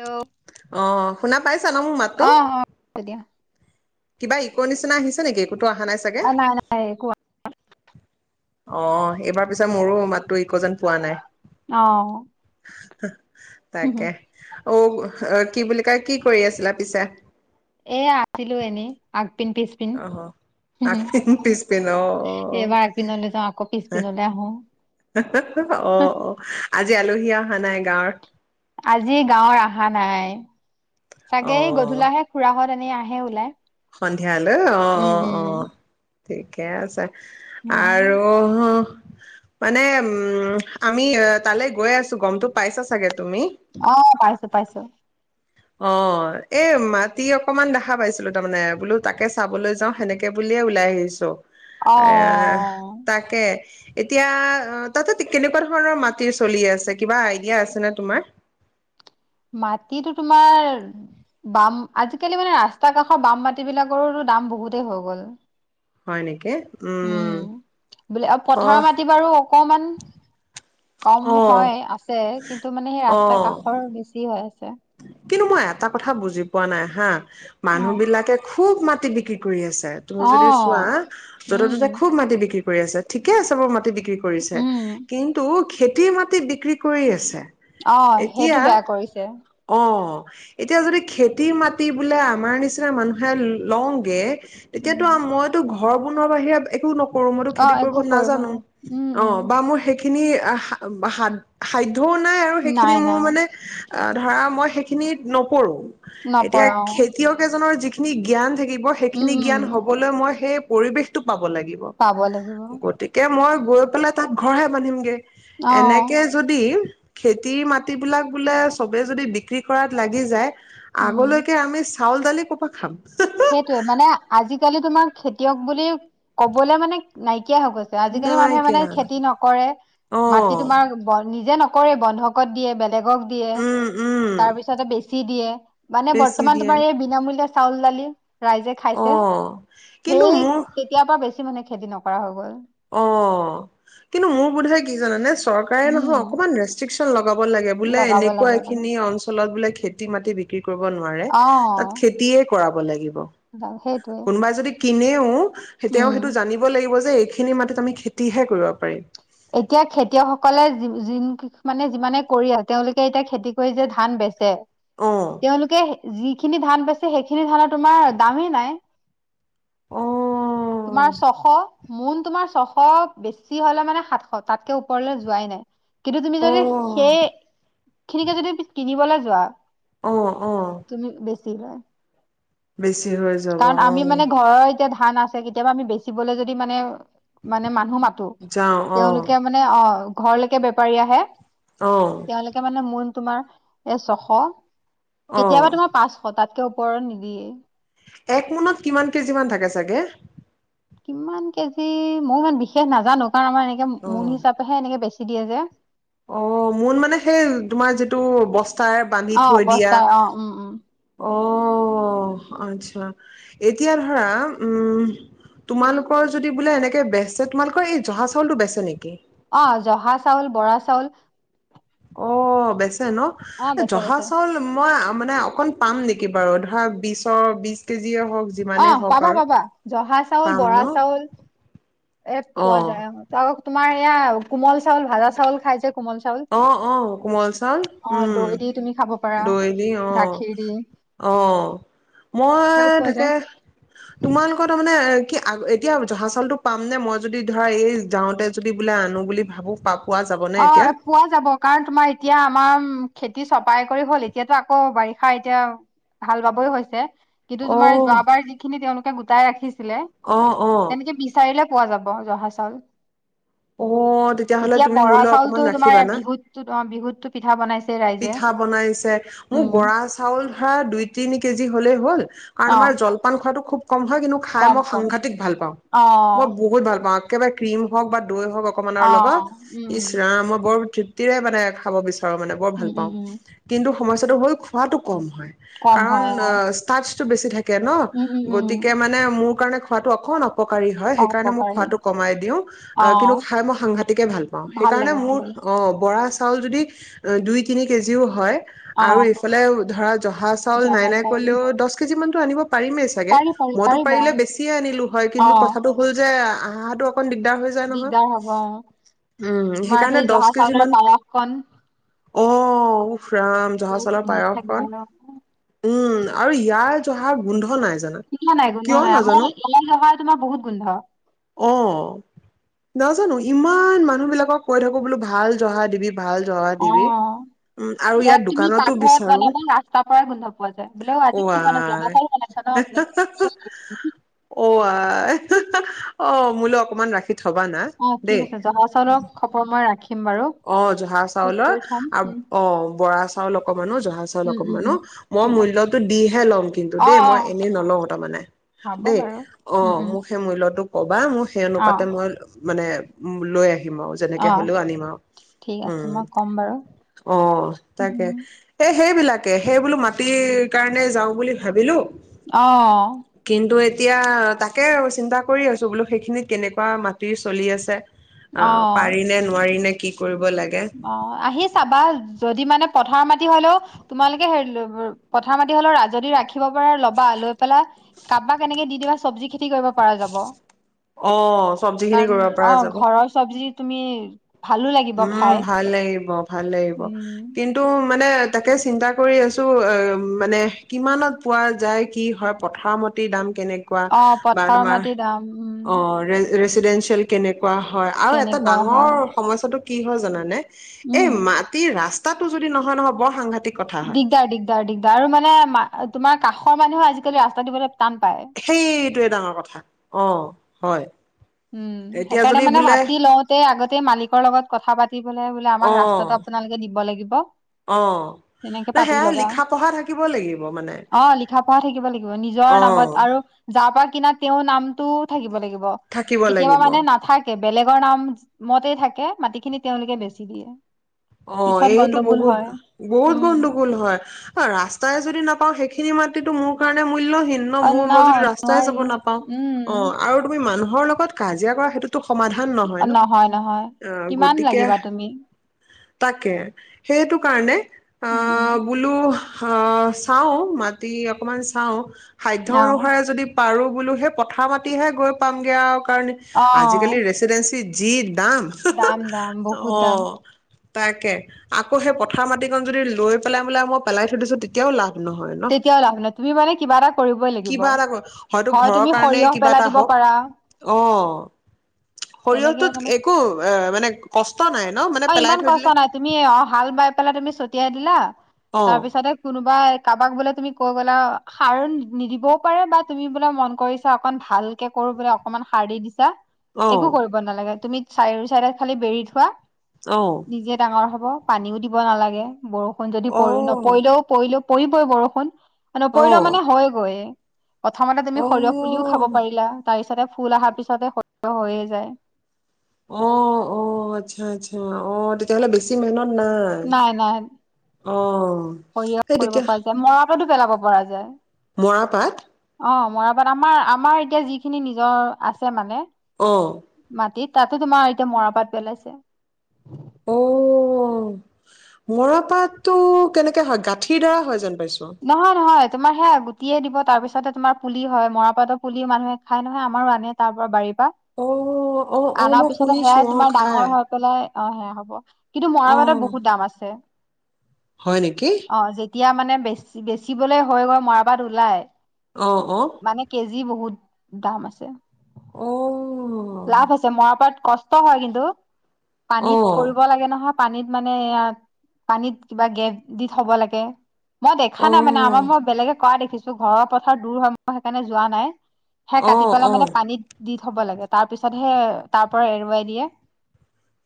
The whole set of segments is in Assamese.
অ অ' শুনা পাইছা ন মোৰ অ মাততো দিয়া বা ইক'ৰ নিচিনা আহিছে নেকি? ক'তো অহা নাই চাগে অ নাই কোৱা অ এইবাৰ পিছে মোৰো মাততো ইক' যেন পোৱা নাই। আহ [unintelligible] তাকে অ' আহ কি বুলি কয় কি কৰি আছিলা পিছে এ আছিলো এনেই, আগপিন পিছপিন আহ আগপিন পিচপিন আহ এইবাৰ আগপিনলৈ যাওঁ আকৌ আহ পিছপিনলৈ আহো আহ আহ, আজি আলহী অহা নাই গাঁৱৰ, আজি গাঁৱৰ অহা নাই, অ চাগে গধূলাাহে খুৰা হত, আহে ওলাই, সন্ধিয়ালৈ অ' উম অ' অ' ঠিকে আছে। উম আৰু মানে উম আমি তালৈ গৈ আছো গমটো পাইছা চাগে তুমি আহ পাইছো পাইছো, অ এই মাটি অকমান দেখা পাইছিলো তাৰমানে বোলো তাকে চাবলৈ যাওঁ সেনেকে বুলিয়ে ওলাই আহিছো অ এএ তাকে। এতিয়া তাতে কেনেকুৱা ধৰণৰ মাটিৰ চলি আছে কিবা আইডিয়া আছে নে তোমাৰ? মাটিটো তোমাৰ, বাম, আজিকালি মানে ৰাস্তা কাষৰ বাম মাটি বিলাকৰৰো দাম বহুতেই হৈ গ'ল। হয় নেকি? উম উমম। বোলে পথাৰৰ মাটি বাৰু অকমান। কম অ', হয় আছে কিন্তু মানে সেই ৰাস্তা অ', কাষৰ বেছি হয় আছে। কিন্তু মই এটা কথা বুজি পোৱা নাই হা। অ মানুহ বিলাকে খুব মাটি বিক্ৰী কৰি আছ [unintelligible] তুমি অ যদি চোৱা য'তে ত'তে উম খুব মাটি বিক্ৰী কৰি আছে ঠিকে আছে বাৰু মাটি বিক্ৰী [unintelligible] কৰিছে উম কিন্তু খেতিৰ মাটি বিক্ৰী কৰি আছে। অ' এতিয়া সেইটো বেয়া কৰিছে। অ', এতিয়া যদি খেতিৰ মাটি বোলে আমাৰ নিচিনা মানুহে লওঁগে উম তেতিয়াতো আ মইতো ঘৰ বনোৱাৰ বাহিৰে একো ন কৰো মইতো অ খেতি কৰিব একো নাজানো, নোৱাৰি উম উম অ' বা মোৰ [unintelligible] ঢৌ নাই আৰু সেইখিনি নাই মোৰ নাই মানে আধাৰৰ মই সেইখিনিত নপৰো। এতিয়া নপঢ়া অ খেতিয়ক এজনৰ যি যিখিনি জ্ঞান থাকিব মই উম সেইখিনি উম জ্ঞান হ'বলৈ মই সেই পৰিৱেশটো [unintelligible] লাগিব, পাব লাগিব গতিকে মই গৈ পেলাই তাত ঘৰহে বান্ধিমগে। অ এনেকে যদি খেতিৰ মাটিবিলাক বোলে চবে যদি বি [unintelligible] কৰাত লাগি যায়। উম আগলৈকে আমি চ চাউল-দালি কত সেইটোয়ে মানে আজি কালি তোমাৰ খেতিয়ক বুলি কবলে মানে নাই। ন‌ইকিয়া হৈ গৈছে। আজিকালি মানুহে মানে নাইকিয়া খেতি নকৰে। অ মাটি তোমাৰ ব নিজে নক কৰে বন্ধকত দিয়ে বেলে বেগক দিয়ে। উম উম তাৰপিছতে বেছ ছি দিয়ে। মানে বেছি বৰ্তমান দিয়ে তোমাৰ এই বিনামূল্য‌ই চাউল-দালি ৰাইজে অ খাইছে। কিন্তু সেই মোৰ কেতিয়াবা বেছ কিমানেমানে খেতি নকৰা হৈ গ'ল। অ', কিন্তু মোৰ বোধেয় কি জানানে। চৰকাৰে নহ। উম অকমান ৰেষ্ট্ৰিকচ চন লগ ল'ব লাগে। বোলে লগাব এনেকুৱা লাগে লাগে এখিনি অঞ্চলত বোলে। খেতি-মাটি বিক্ৰী কৰিব নোৱাৰে। অ তাত খেতিয়ে পৰাব লাগিব। সেইটোৱে কোনোবাই যদি কিনেও তেওঁ উম সেইটো জানিব লাগিব যে এ ই খিনি মাটত আমি খেতিহে কৰিব পাৰি এতিয়া খেতিয়কসকলে, যি-যি-কষ মানে যিমানে কৰি আ, তেওঁলোকে এতিয়া খেতি কৰি যে ধান বেছে। অ তেওঁলোকে এ যি যিখিনি ধান বেছে। সেইখিনি ধানৰ তোমাৰ দামেই নাই। অ' অ'। তোমাৰ ছয়শ, মোন তোমাৰ ছয়শ বেছি হলে মানে সাত শ তাতকে ওপৰলে যোৱাই নাই। কিন্তু তুমি অ যদি সেয়ে খিনিকে পিছ যদি কিনিবলৈ যোৱা অহ্ অ'। [inaudible] বেছি হৈ যাব অ কাৰণ আমি মানে, ঘৰৰ এতিয়া ধান আছে কেতিয়াবা আমি বেচিবলৈ যদি মানে, মানে মানুহ মা তু, যাওঁ অ তেওঁলোকে মানে অ' ঘৰলৈকে বেপাৰী আহে অ তেওঁলোকে মানে মোৰ তোমাৰ এ ছশ অ কেতিয়াবা তোমাৰ পাঁচশ, তাত [unintelligible] ওপৰত নিদিয়ে। এক মোনত কিমান কেজি মান থাকে চাগে? কিমান কেজি? মই ইমান বিশেষ নাজানো। কাৰণ আমাৰ এনেকে অ মো-মোন হিচাপেহে এনেকে বেচি দিয়ে যে, অ' মোন মানে সেই, তোমাৰ যিটো বস্ত অ' বস্তা অ', উম, উম। অ আচ্ছা। এতিয়া ধৰা উম--তোমালোকৰ যদি বোলে এনেকে বেচে তোমালোকৰ এই জহা চাউলটো বেচে নেকি? অ' জহা চাউল, বৰা চাউল। অ--বেচে অ [unintelligible] এ বেচে জহা বেচে চাউল মই মানে, অকণ পাম নেকি বাৰু? ধৰা বিছৰ-বিছ কেজি অ' পাবা, পাবা। জহা চাউল, পাম ন? বৰা চাউল এ পোৱা অ', যায়। অ' [inaudible] তোমাৰ এয়া কোমল চাউল, ভাজা চাউল খাই কোমল চাউল অ', অ' কোমল চাউল, অ উম। দৈ দি তুমি খাব পাৰা দৈ দি অ'। গাখীৰ দি অ' সেয়াও মই পোৱা তাকে যায় তোমালোকৰ তাৰমানে কি আ-এতিয়া জহা চাউলটো পাম নে? মই যদি ধৰা এই যাওঁতে যদি বোলে আনোঁ বুলি ভাবো, পাম অ' এ-পোৱা যাব। কাৰণ তোমাৰ এতিয়া আমাৰ খেতি চপাই কৰি হ'ল, এতিয়াতো আকৌ বাৰিষা এতিয়া হাল বাবই হৈছে। কিন্তু তোমাৰ অ', যোৱাবাৰ যিখিনি তেওঁলোকে গোটাই ৰাখিছি [unintelligible] অ', অ', তেনেকে বিচাৰিলে পোৱা যাব জহা চাউল। অ'! তেতিয়াহ'লে এতিয়া তুমি বৰা মোলৈ চাউলতো অকমান তোমাৰ ৰাখিবা এই‌ না। বিহুত টোত অ' বিহুতটো পিঠা বনাইছে। ৰাইজে পিঠা বনাইছে। মোৰ উম বৰা চাউল ধৰা দুই-তিনি কেজি হলেই হ'ল কাৰণ অ আমাৰ জলপান খোৱাতটো কম হয় কিন্তু খাই কম মই কম সাংঘাতিক ভাল পাওঁ, অ মই বহুত ভাল পাওঁ। একেবাৰে ক্ৰ্ৰীম হওক বা দৈ হওক অকমানৰ অ লগত উম উম ইছৰা মই বৰ টোৱে মানে খাব বিচাৰোঁ মানে বৰ ভাল উম উম পাওঁ উম। কিন্তু। সমস্যাটো হৈ খোৱাটো কম কম কৰিম হয় অ ষ্টাৰ্চ বিচি থাকে কে ন উম উম উম গতিকে মানে মোক কাৰণে খোৱাতটো অকমান ককাৰি হয় অ সেই কাৰণে মই খ উপকাৰী কমাই দিওঁ অ কিন্তু খাই মই সাংঘতিকে ভাল পাওঁ সেইকাৰণ লাগে ভাল মোৰ লাগে বৰা তল যদি দুই তিনি কেজিও হয়। অ আৰু ইফালে ধৰা জহা চাউল নাই জহা নাই চাউল কৰিলেও দহ কেজি মান টো আনিব পাৰিমেই চাগে পাৰি পাৰি মইতো পাৰিব পাৰিলে বেছিয়ে আনিলো হয় অ কিন্তু কথাটো হ'ল যে, আদৰ দিগদাৰ হ'ব উম তোমাৰ সেইকাৰণে সেই দহ জহা কেজি চাউলৰ মান পায়স কন অ' ৰাম জহা চলৰ ধুনীয়া লাগে পায়সখন আৰু উম আৰু ইয়াৰ জহাৰ গোন্ধ নাই জানা গোন্ধ নাই গোন্ধ কিয় নাই আমাৰ নাজানো এলাই জহাৰ তোমাৰ বহুত গোন্ধ। অ নাজানো ইমান মানুহ বিলাকক কৈ থাকো বোলো ভাল জহা দিবি ভাল জহা দিবি অ' উম আৰু ইয়াত তুমি দোকানতো পাকঘৰত বিচাৰো বনাবা ৰাস্তাৰ পৰাই গোন্ধ পোৱা যায় বোলে অ আজি কি বনাই বনাইছা ন অ অ' মোলৈ অকমান ৰাখি থবা না অ' ঠিক দেই আছে জহা চাউলক খবৰ মই ৰাখিম বাৰু অ' জহা ফোন কৰি চাউলৰ থম আৰু উম অ' বৰা চ চ লোক [inaudible] মানুহৰ জহা চাউল উম উম অকমানো উম মই ঠিক আছে মূল্য়তটো দিহে লম কিন্তু অ দেই মই অ এনেই নলওঁ তাৰমানানে হ'ব দেই বাৰু অ উম উম মোক সেই মূল্য়টোক বা মোৰ সেই অ অনুপাতে মই লম। মানে উ লৈ আহি [inaudible] দিম আৰু যেনেকে অ হ'লেও, আনিম আৰু। ঠিক আছে উম মই ক'ম বাৰু অ তাকে উম এহ। সেইবিলাকে, সেইবোলো মাটিৰ কাৰণে যাওঁ বুলি ভাবিলো। অহ। কিন্তু এতিয়া তাকে আৰু চিন্তা কৰি আছো বোলো সেইখিনিত কেনেকুৱা মাটিৰ চলি আছে। অ' পাৰি নে নোৱাৰি নে। কি কৰিব।। লাগে অ' আহি চাবা যদি মানে। পথাৰৰ মাটি হলেও তোমালোকে হেৰি পথাৰ মাটি হলেও যদি ৰাখি।। ৰাখিব পাৰা ল'বা লৈ পেলাই।। কাৰবাক এনেকেদি দিবা চব্জি খেতি।। কৰিব পৰা যাব অ', চব্জি খিনি কাৰণ কৰিব পৰা অ' যাব। ঘৰৰ চবজি।। তুমি ভাল। উম ভাল লাগিব। ভাল লাগিব উম কিন্তু? মানে তাকে চিন্তা কৰি আছোঁ। মানে কিমানত পোৱা যায়। কি হয় পথাৰৰ মাটিৰ দাম। তেনে কোৱা অ বা পথাৰৰ তোমাৰ মাটি দাম উম অ'। ৰেচিডেঞ্চিয়েল কেনেক।। কোৱা হয় আৰু এটা কেনেকুৱা ডাঙৰ হয় সমস্যাটো।। কি হয় জানানে? এই উম মাটিৰ ৰাস্তা।। তাতো যদি নহয় নহয় বৰ সাংঘাটিক।। দিগদাৰ দিগদাৰ দিগদাৰ আৰু মানে মাটিৰ।। তোমাৰ কাষৰ মানুহে আজিকালি ৰাস্তা দিবলৈ।। টান পায়। সেইটোয়ে ডাঙৰ কথা।। কথা অ' হয়। উম, এতিয়া সেইকাৰণে যদি মানে বোলে মাটি লওঁতে আগতে মালিকৰ লগত।। কথা পাতি।। লবা। বোলে আমাক ৰাস্তাটো অ', আপোনালোকে দিব লাগিব। অ', তেনেকে ন পাতি সেয়া লবা লিখা পঢ়া থাকিব লাগিব মানে। অ লিখা পঢ়া থাকিব লাগিব। নিজৰ অ নামত আৰু যাৰ পা।। কিনা তেওঁৰ নামটোও থাকিব লাগিব। বা। থাকিব কেতিয়াবা লাগিব মানে নাথাকে বেলেগৰ নাম মতে থাকে মাটি খিনি তেওঁলোকে বেচি দিয়ে। অঁ পিছত এতু গণ্ডগোল বহুত হয় বহুত উম গণ্ডগোল হয়, সা ৰাস্তা আৰু যদি নাপা অঁ সেইখিনি মাটিতো মোৰ কাৰণে মূল্য ভিন্ন অ মোৰ ন মই যদি ৰাস্তাই নোৱাৰি যাব নাপাওঁ উম অহ আৰু তুমি মানুহৰ লগত কাজিয়া কৰা সেইটো নহয় নহয় কিমান লাগিবা গতিকে তুমি তাকে, সেইটো কাৰণে উম উম অহ বোলো অহ চাও মাটি অকনমান চাও সাধ্য অ অনুসাৰে যদি পাৰো বোলো সেই পথাৰ মাটিহে গৈ পামগে আৰু কাৰণ অ আজিকালি ৰেচিডেন্সী জীদ দাম হু হু দাম দাম বহুত দাম অহ তাকে, আকৌ সেই পথাৰ মাটিকন যদি লৈ পেলাই বলে মই পেলাই থৈ দিছো তেতিয়াও লাভ নহয় নহ তেতিয়াও লাভ নাই তুমি মানে কিবা এটা কৰিবই লাগিব কিবা এটা হয়তো হয় ঘৰৰ তুমি কাৰণে সৰিয়হ কিবা পেলাই এটা দিব হওক পাৰা অহ তেনেকে সৰিয়হটোত মানে একো এহ মানে কষ্ট নাই নহ মানে অ পেলাই ইমান থৈ কষ্ট দিলে নাই তুমি অঁ হাল বাই পেলাই তুমি ছটিয়াই দিলা অ তাৰ পিছতে কোনো বায়িপ কাৰোবাক বোলে তুমি কৈ বোলো সাৰ নিদিবও পাৰে বা তুমি বোলে মন কৰিছা অকন ভালকে কৰো বোলে অকনমান সাৰ দি দিছা। অ একো কৰিব নালাগে। তুমি চাৰিও চাৰে খালি বেৰি থোৱা অ নিজে ডাঙৰ হ'ব। অহ পানীও দিব নালাগে, বৰষুণ যদি পৰি অ', নপৰিলেও পৰিলেও পৰিবই বৰষুণ নপৰিলেও অ', মানে হয়গৈয়ে। প্ৰথমতে তুমি অ', সৰিয়হ পুলিও খাব পাৰিলা তাৰ পিছতে ফুল আহাৰ পিছতে সৰিয়হ হৈয়ে যায়। অ অ আচ্ছা আচ্ছা অ তেতিয়াহ'লে বেছি মেহনত নাই অ সেইটো কিয় তাতে পেলাব পৰা যায় মৰাপাট অ মৰাপাট আমাৰ আমাৰ এতিয়া যিখিনি নিজৰ আছে মানে অ'। মাতি তাতো তোমাৰ এতিয়া মৰাপাত পেলাইছে। অ', মৰাপাতটো কেনেকৈ হয় গাঁঠিৰ দ্বাৰা হয় জানো? নহয়, নহয়। তোমাৰ সেয়া গুটিয়েই দিব তাৰ পিছতে তোমাৰ পুলি হয় মৰাপাতৰ পুলি মানুহে খাই নহয় আমাৰো আনে তাৰ পৰা বাৰী অ', অ', অ', আনাৰ মই পিছত শুনিছোঁ সেয়াাই অ', তোমাৰ খাই ডাঙৰ হৈ পেলাই অ', সেয়া হ'ব কিন্তু মৰাপাটৰ অ', বহুত দাম আছে। হয় নেকি? এতিয়া মানে বেছি বেচিবলে হৈ গৈ মৰাবাত ওলাই। অ', অ'। যি বহুত দাম আছে। অ'। লাভ আছে মৰাপাট কষ্ট হয় কিন্তু। পানীত অ', কৰিব লাগে নহয়। পানীত মানে এয়া পানীত কিবা গেপ দি থ'ব লাগে। মই দেখা অ', নাই মানে আমা মই বেলেগে কৰা দেখিছোঁ। ঘৰৰ পথাৰ দূৰ হয় মই সেইকাৰণে যোৱা নাই। সে কাটি অ', পেলাই মানে অ', পানীত দি থ'ব লাগে। তাৰ পিছতহে তাৰ পৰা এৰুৱাই দিয়ে।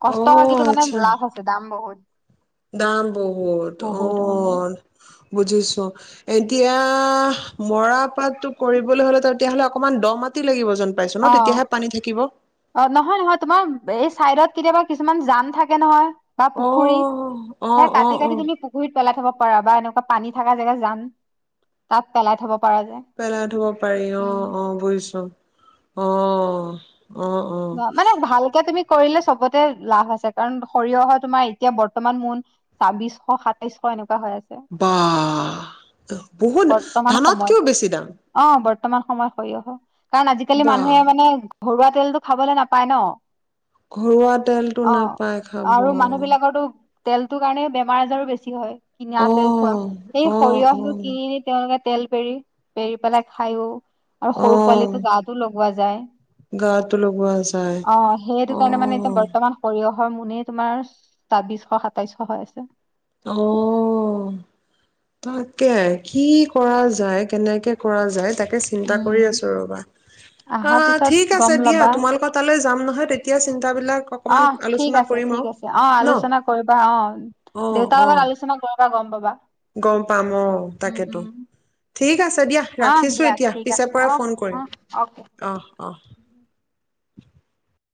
কষ্ট হয় অ', কিন্তু মানে আচ্ছা লাভ আছে দাম বহুত। দাম বহুত বহুত উম অ'। বুজিছো এতিয়া মৰাপাতটো কৰিবলৈ হ'লে তেতিয়াহ'লে অকমান দ' মাতি লাগিব। যেন পাইছো ন অ', তেতিয়াহে পানী থাকিব। অ', নহয় নহয় তোমাৰ এই চাইডত কেতিয়াবা কিছুমান জান থাকে নহয়। বা পুখুৰী অ', সেয়া অ', কাটি অ', কাটি অ', তুমি পুখুৰীত পেলাই থ'বা। পাৰা বা এনেকুৱা পানী থকা জেগাত জান তাত পেলাই থ'ব পাৰা যে পেলাই থ'ব পাৰি উম অ', অ', বুজিছো। অ'। অ', অ', মানে ভালকে তুমি কৰিলে চবতে লাভ আছে কাৰণ সৰিয়হ অহা তোমাৰ এতিয়া বৰ্তমান মোন ছাব্বিছশ সাতাইশ এনেক বা বহুত বৰ্তমান সময়ত ধানতকেও বেছি দাম। অ বৰ্তমান সময় সৰিয়হ। কাৰণ আজিকালি বাহ। মানুহে মানে ঘৰুৱা তেলটো খাবলৈ নাপায় ন। ঘৰুৱা তেলটো অ নাপায় খাব। আৰু মানুহ বিলাকৰতো তেলটোৰ কাৰণে বেমাৰ আজাৰো বেছি হয়। কিনা তেল খোৱা। অ', সেই অ', সৰিয়হতো কিনি নি তেওঁলোকে তেল পেৰি, পেৰি পেলাই খাইও আৰু সৰু অ', পোৱালিৰতো গাতো লগোৱা যায়। গাতো লগোৱা যায়। অ, সেইটো কাৰণে মানে এতিয়া অ', বৰ্তমান শৰীৰ য়হৰ মুনিয়ে তোমাৰ, ছাব্বিশ সাতাইশ হৈ আছে। অ তাকে কি কৰা যায়, কেনেকে কৰা যায় তাকে। চিন্তা কৰি উম আছো ৰবা। আহা অঁ পিছত ঠিক গম আছে দিয়া, তোমালোকৰ তালৈ যাম নহ হ তেতিয়া চিন্ত অহ ঠিক আছে, ঠিক আছে। অ, ন আলোচনা কৰিবা অ। অ', দেউতা লগত অ', আলোচনা কৰ [unintelligible] গম পাবা। গম পাম অ, উম তাকেটো উম ঠিক আছে দিয়া অ ৰাখিছো। দিয়া এতিয়া ঠিক পিছে আছে পৰাই অ ফোন কৰিম অ অকে হ'ব দিয়া অহ-অহ।